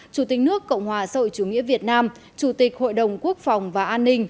chủ tịch nước cộng hòa sội chủ nghĩa việt nam chủ tịch hội đồng quốc phòng và an ninh